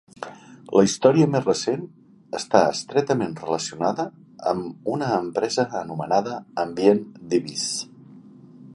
La història més recent està estretament relacionada amb una empresa anomenada Ambient Devices.